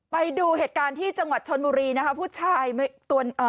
ไปดูเหตุการณ์ที่จังหวัดชนบุรีนะคะผู้ชายตัวเอ่อ